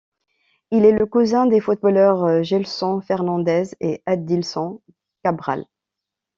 Il est le cousin des footballeurs Gelson Fernandes et Adilson Cabral.